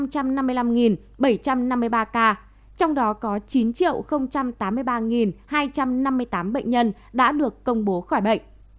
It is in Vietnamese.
một trăm năm mươi năm bảy trăm năm mươi ba ca trong đó có chín tám mươi ba hai trăm năm mươi tám bệnh nhân đã được công bố khỏi bệnh